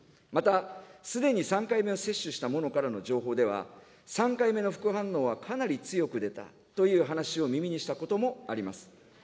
また、すでに３回目を接種した者からの情報では、３回目の副反応はかなり強く出たという話を耳にしたこともあります。